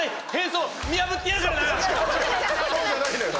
そうじゃないのよ。